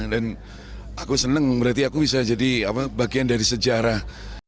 dan aku senang berarti aku bisa jadi bagian dari sejarah